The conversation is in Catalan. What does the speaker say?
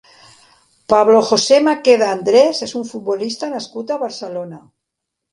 Pablo José Maqueda Andrés és un futbolista nascut a Barcelona.